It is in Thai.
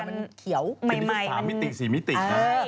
มันเกิดแบบ๓๔มิติ